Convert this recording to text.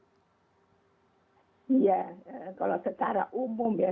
kalau secara umum ya